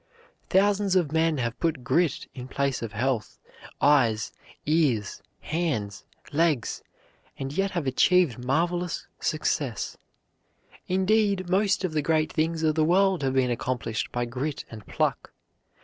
Thousands of men have put grit in place of health, eyes, ears, hands, legs and yet have achieved marvelous success. Indeed, most of the great things of the world have been accomplished by grit and pluck.